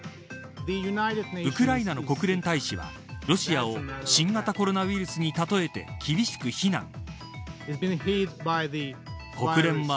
ウクライナの国連大使はロシアを新型コロナウイルスに例えて厳しく非難。